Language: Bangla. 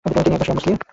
তিনি একজন শিয়া মুসলিম।